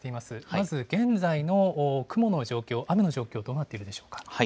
まず現在の雲の状況、雨の状況、どうなっているでしょうか。